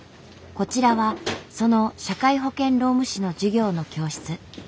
こちらはその社会保険労務士の授業の教室。